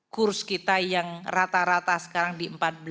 kurs kita yang rata rata sekarang di empat belas